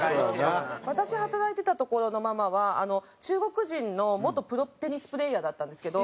私働いてた所のママは中国人の元プロテニスプレーヤーだったんですけど。